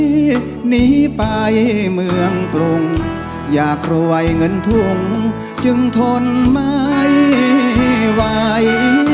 เธอคิดเช็นไรหนีไปเมืองกรุงอยากรวยเงินทุ่งจึงทนไม่ไว้